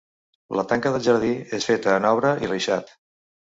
La tanca del jardí és feta en obra i reixat.